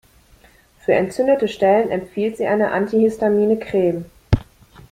Für entzündete Stellen empfiehlt sie eine antihistamine Creme.